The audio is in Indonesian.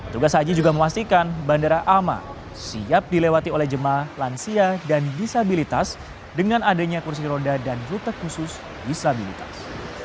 tugas haji juga memastikan bandara aman siap dilewati oleh jemaah lansia dan disabilitas dengan adanya kursi roda dan rute khusus disabilitas